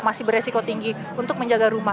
masih beresiko tinggi untuk menjaga rumah